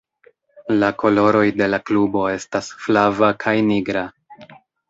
La koloroj de la klubo estas flava kaj nigra.